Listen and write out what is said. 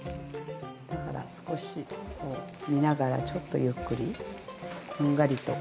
だから少し見ながらちょっとゆっくりこんがりと。